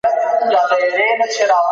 قدرت د سياست تر ټولو اړين عنصر دی.